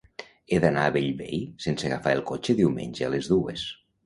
He d'anar a Bellvei sense agafar el cotxe diumenge a les dues.